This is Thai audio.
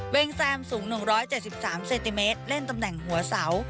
งแซมสูง๑๗๓เซนติเมตรเล่นตำแหน่งหัวเสา